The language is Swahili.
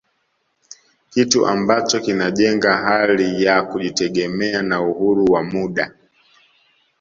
Kitu ambacho kinajenga hali ya kujitegemea na uhuru wa muda